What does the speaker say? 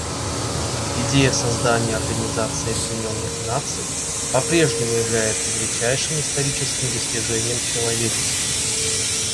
Идея создания Организации Объединенных Наций по-прежнему является величайшим историческим достижением человечества.